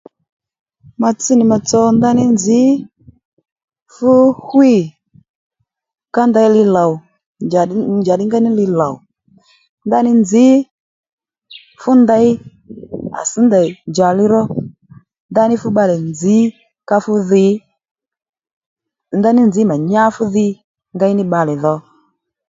Mà tss nì mà tsò ndaní nzǐ fú hwî ka ndeyli lòw njàddí njàddí ngéy ní li lòw ndaní nzǐ fú nděy à sś ndèy njàli ró ndaní fú bbalè nzǐ ká fú dhi ndaní nzǐ mà nyá fú dhi ngéy ní bbalè dho